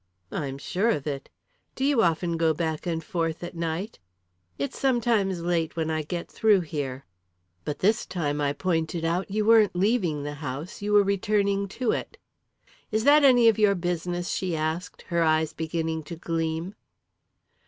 "I'm sure of it. Do you often go back and forth at night?" "It's sometimes late when I get through here." "But this time," I pointed out, "you weren't leaving the house you were returning to it." "Is that any of your business?" she asked, her eyes beginning to gleam.